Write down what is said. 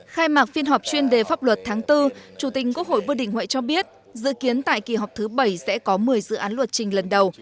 khai mạc phiên họp chuyên đề pháp luật tháng bốn chủ tịch quốc hội vương đình huệ cho biết dự kiến tại kỳ họp thứ bảy sẽ có một mươi dự án luật trình lần đầu